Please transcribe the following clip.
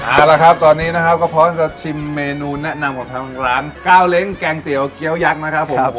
เอาละครับตอนนี้นะครับก็พร้อมจะชิมเมนูแนะนำของทางร้านก้าวเล้งแกงเตี๋ยวเกี้ยวยักษ์นะครับผม